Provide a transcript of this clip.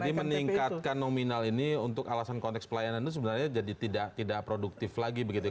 jadi meningkatkan nominal ini untuk alasan konteks pelayanan itu sebenarnya jadi tidak produktif lagi begitu ya